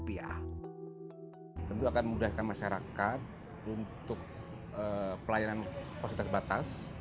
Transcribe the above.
tentu akan memudahkan masyarakat untuk pelayanan pos lintas batas